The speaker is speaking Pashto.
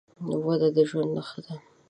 وده د ژوند نښه ده.